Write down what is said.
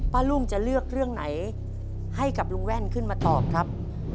ลุงจะเลือกเรื่องไหนให้กับลุงแว่นขึ้นมาตอบครับ